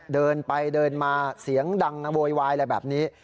เดินไปเดินมาเสียงดังโวยวายอะไรแบบนี้